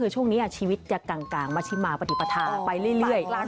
ช่วงนี้ชีวิตจะก่างมาชิมาปฏิปัทธาน